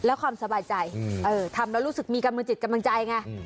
แล้วความสบายใจทำแล้วรู้สึกมีกำลังจิตกำลังใจไง